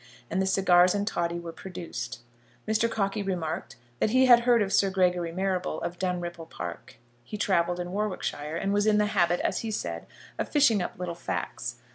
and the cigars and toddy were produced. Mr. Cockey remarked that he had heard of Sir Gregory Marrable, of Dunripple Park. He travelled in Warwickshire, and was in the habit, as he said, of fishing up little facts.